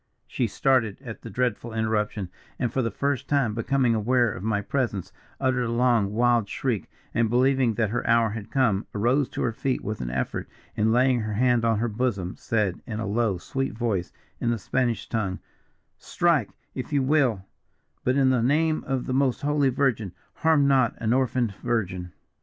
She started at the dreadful interruption, and, for the first time becoming aware of my presence, uttered a long wild shriek; and, believing that her hour had come, arose to her feet with an effort, and laying her hand on her bosom, said, in a low, sweet voice, in the Spanish tongue, 'Strike, if you will; but, in the name of the most Holy Virgin, harm not an orphaned virgin!'